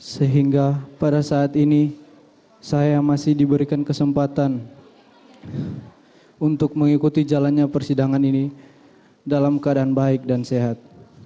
sehingga pada saat ini saya masih diberikan kesempatan untuk mengikuti jalannya persidangan ini dalam keadaan baik dan sehat